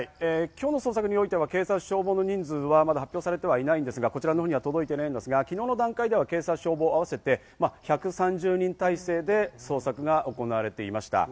今日の捜索においては警察・消防の人数はまだ発表されていないんですが、こちらのほうには届いていないんですが、昨日の段階では警察・消防合わせて１３０人態勢で捜索が行われていました。